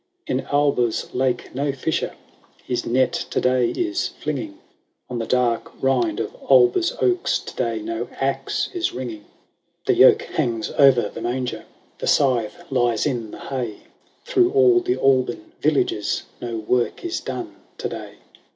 II. In Alba's lake no fisher His net to day is flinging : On the dark rind of Alba's oaks To day no axe is ringing : The yoke hangs o'er the manger : The scythe lies in the hay : Through all the Alban villages No work is done to day.